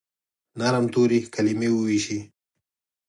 نرم توري، کلیمې وویشي